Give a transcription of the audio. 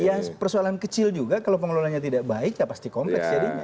itu urusan ya persoalan kecil juga kalau pengelolaannya tidak baik ya pasti kompleks jadinya